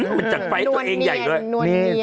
มันจัดไฟตัวเองใหญ่ด้วยนะครับนวลเนียน